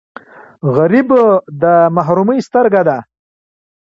غریب د محرومۍ سترګه ده